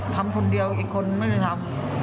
ทำคนเดียวอีกคนไม่ได้ทำ